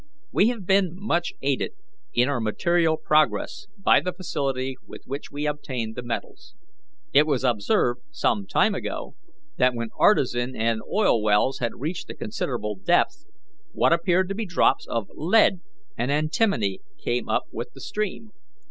We have been much aided in our material progress by the facility with which we obtain the metals. It was observed, some time ago, that when artesian and oil wells had reached a considerable depth, what appeared to be drops of lead and antimony came up with the stream.